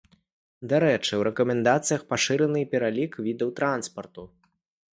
Дарэчы, у рэкамендацыях пашыраны і пералік відаў транспарту.